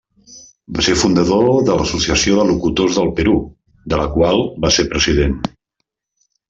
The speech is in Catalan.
Va ser fundador de l'Associació de Locutors del Perú, de la qual va ser president.